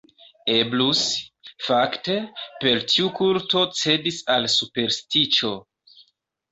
Eblus, fakte, per tiu kulto cedis al superstiĉo.